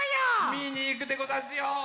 みにいくでござんすよ。